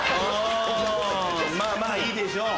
まぁまぁいいでしょう。